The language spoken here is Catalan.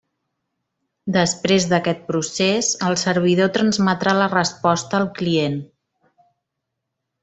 Després d'aquest procés, el servidor transmetrà la resposta al client.